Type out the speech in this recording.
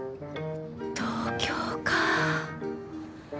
東京か。